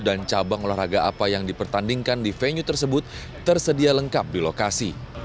dan cabang olahraga apa yang dipertandingkan di venue tersebut tersedia lengkap di lokasi